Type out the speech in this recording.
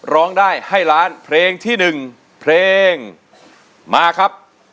ร้องได้ให้ล้านเพลงที่๑เพลงมาครับ